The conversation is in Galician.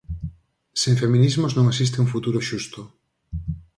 Sen feminismos non existe un futuro xusto.